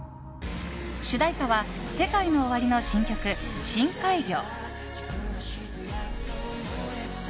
主題歌はＳＥＫＡＩＮＯＯＷＡＲＩの新曲「深海魚」。